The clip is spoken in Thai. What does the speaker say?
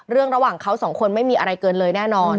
ระหว่างเขาสองคนไม่มีอะไรเกินเลยแน่นอน